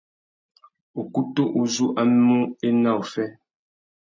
Ukutu uzu a mú ena uffê.